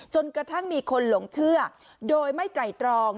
จนกระทั่งมีคนหลงเชื่อโดยไม่ไตรตรอง